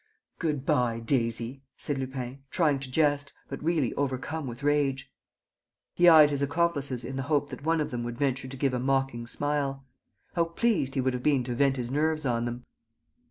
"Good bye, Daisy!" said Lupin, trying to jest, but really overcome with rage. He eyed his accomplices in the hope that one of them would venture to give a mocking smile. How pleased he would have been to vent his nerves on them!